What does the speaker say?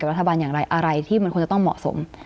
รัฐบาลอย่างไรอะไรที่มันควรจะต้องเหมาะสม